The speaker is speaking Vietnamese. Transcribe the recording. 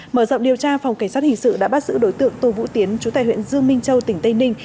mở rộng điều tra phòng cảnh sát hình sự đã bắt giữ đối tượng tô vũ tiến chú tài huyện dương minh châu tỉnh tây ninh